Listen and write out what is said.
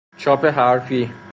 چاپ حرفی